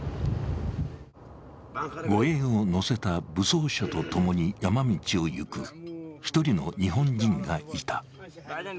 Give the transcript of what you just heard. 護衛を乗せた武装車とともに山道を行く１人の日本人がいた。